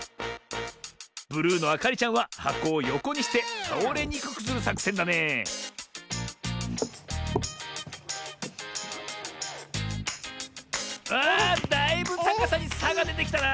ブルーのあかりちゃんははこをよこにしてたおれにくくするさくせんだねあだいぶたかさにさがでてきたな。